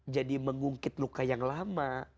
jadi mengungkit luka yang lama